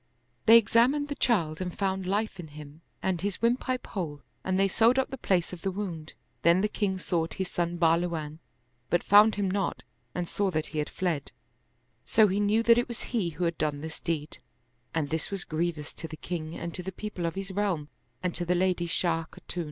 They examined the child and found life in him and his windpipe whole and they sewed up the place of the wound: then the king sought his son Bahluwan, but found him not and saw that he had fled ; so he knew that it was he who had done this deed, and this was grievous to the king and to the people of his realm and to the lady Shah Khatun.